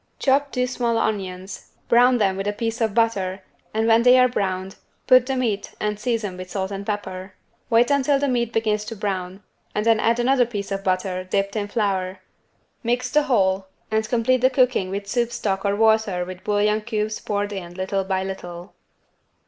Chop two small onions, brown them with a piece of butter and when they are browned put the meat and season with salt and pepper. Wait until the meat begins to brown and then add another piece of butter dipped in flour. Mix the whole and complete the cooking with soup stock or water with bouillon cubes poured in little by little.